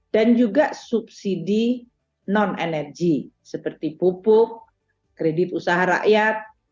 dan juga subsidi non energi seperti pupuk kredit usaha rakyat